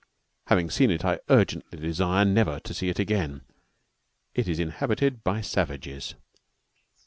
Having seen it, I urgently desire never to see it again. It is inhabited by savages.